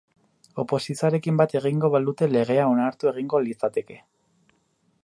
Oposizioarekin bat egingo balute legea onartu egingo litzateke.